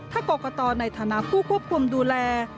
ถ้ากรกตในฐานะผู้ควบคุมดูแล